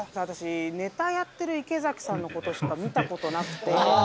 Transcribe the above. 私ネタやってる池崎さんのことしか見たことなくて。